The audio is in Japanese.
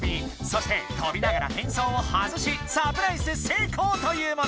そしてとびながらへんそうを外しサプライズ成功というもの。